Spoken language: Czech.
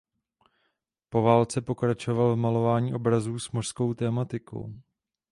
Po válce pokračoval v malování obrazů s mořskou tématikou.